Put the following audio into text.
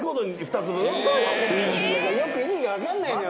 よく意味がわかんないのよ。